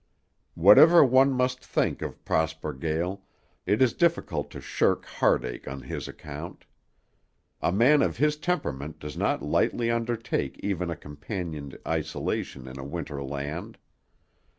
Whatever one must think of Prosper Gael, it is difficult to shirk heartache on his account. A man of his temperament does not lightly undertake even a companioned isolation in a winter land.